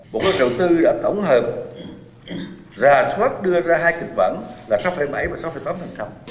một cái đầu tư đã tổng hợp rà thoát đưa ra hai kịch vẩn là sáu bảy và sáu tám